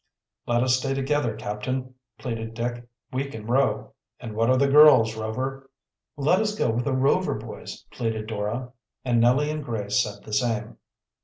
"Let us stay together, captain," pleaded Dick. "We can row." "And what of the girls, Rover?" "Let us go with the Rover boys," pleaded Dora, and Nellie and Grace said the same.